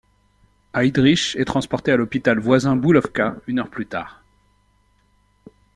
Heydrich est transporté à l’hôpital voisin Bulovka, une heure plus tard.